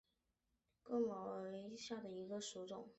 班戈毛茛为毛茛科毛茛属下的一个种。